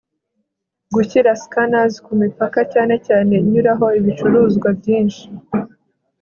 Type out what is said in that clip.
gushyira scanners ku mipaka cyane cyane inyuraho ibicuruzwa byinshi